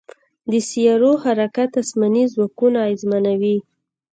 د سیارو حرکت اسماني ځواکونه اغېزمنوي.